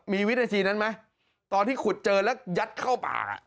มีวินาทีนั้นไหมตอนที่ขุดเจอแล้วยัดเข้าป่า